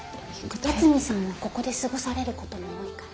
八海さんはここで過ごされることも多いから。